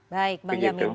baik bang jamin